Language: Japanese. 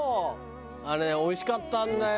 あれおいしかったんだよ。